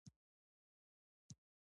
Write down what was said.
د کابل په ګلدره کې د ګرانیټ نښې شته.